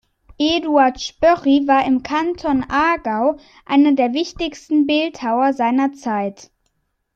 Eduard Spörri war im Kanton Aargau einer der wichtigsten Bildhauer seiner Zeit.